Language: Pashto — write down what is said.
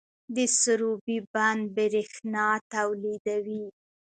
د سروبي بند بریښنا تولیدوي